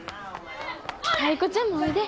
タイ子ちゃんもおいで。